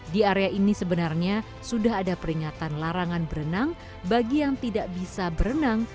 di area ini sebenarnya sudah ada peringatan larangan berenang bagi yang tidak bisa berenang